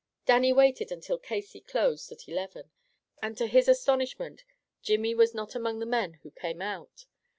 Dannie waited until Casey closed at eleven, and to his astonishment Jimmy was not among the men who came out.